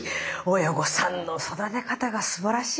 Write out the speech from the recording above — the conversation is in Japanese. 親御さんの育て方がすばらしいな。